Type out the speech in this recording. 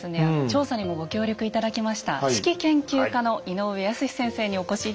調査にもご協力頂きました子規研究家の井上泰至先生にお越し頂きました。